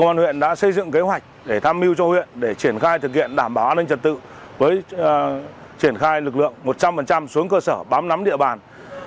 công an huyện đã xây dựng kế hoạch để tham mưu cho huyện để triển khai thực hiện đảm bảo an ninh trật tự với triển khai lực lượng một trăm linh xuống cơ sở bám nắm địa bàn